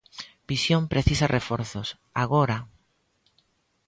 Visión precisa reforzos, agora!